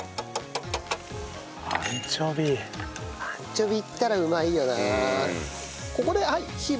アンチョビいったらうまいよな。